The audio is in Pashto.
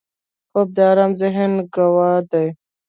خوب د آرام ذهن ګواه دی